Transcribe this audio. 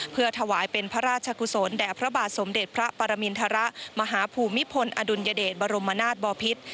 เพื่อถวายเป็นพระราชกุศลแด่พระบาทสมเด็จพระปรมินทรมาหาภูมิพลอดุลยเดชบรมนาศบอพิษ